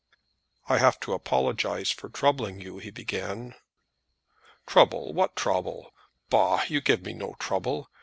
"I have to apologize for troubling you," he began. "Trouble, what trouble? Bah! You give me no trouble.